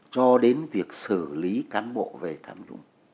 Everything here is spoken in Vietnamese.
cho đến việc xử lý cán bộ về tham nhũng